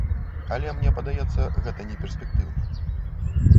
Але мне падаецца, гэта неперспектыўна.